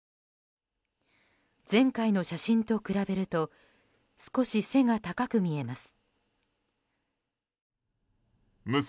前回の写真と比べると少し背が高く見えます。